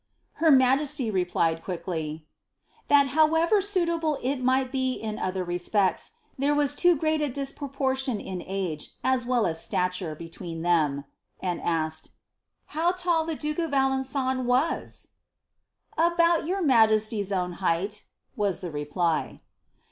Her raajesty replied, quickly, •* that, however suitable it might be in other respects, there was too great a disproportion in age, as well aa statute, betweeo them ;" and asked, "■ how tall the duke of Alenfoa WM?" "About your majesty's own height," was the reply.